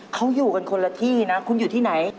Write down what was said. เขาอยู่กันคนละที่นะคุณอยู่ที่ไหน